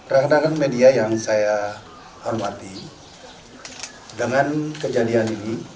rakan media yang mimati dengan kejadian